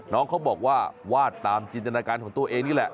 น้องเขาบอกว่าวาดตามจินตนาการของตัวเองนี่แหละ